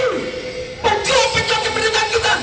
mencuri pencuri pendidikan kita